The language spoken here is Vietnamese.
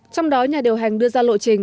trong đó nhà điều hành đưa ra lộ trình